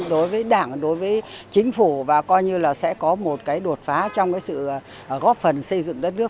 đối với đảng đối với chính phủ và coi như là sẽ có một cái đột phá trong cái sự góp phần xây dựng đất nước